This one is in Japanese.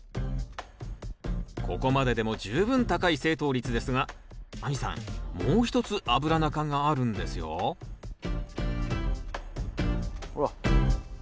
ここまででも十分高い正答率ですが亜美さんもう一つアブラナ科があるんですよほらっ。